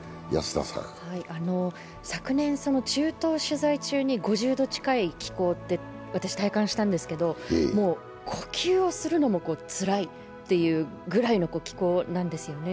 昨年、中東を取材中に５０度近い気候を経験したんですがもう、呼吸をするのもつらいっていうぐらいの気候なんですよね。